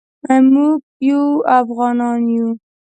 موږ یو افغان یو.